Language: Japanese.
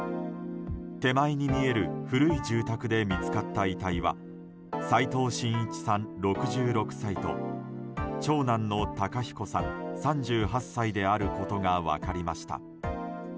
手前に見える古い住宅で見つかった遺体は齋藤真一さん、６６歳と長男の孝彦さん３８歳であることが分かりました。